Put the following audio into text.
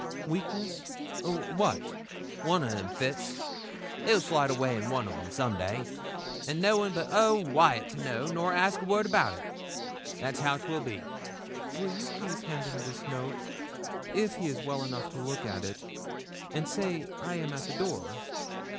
'Weakness, or what?' 'One o' them fits. He'll slide awa' in one o' them some day, and no one but old Wyat to know nor ask word about it; that's how 'twill be.' 'Will you please hand him this note, if he is well enough to look at it, and say I am at the door?'